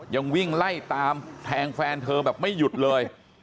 ยังวิ่งไล่ตามแทงแฟนเธอแบบไม่หยุดเลย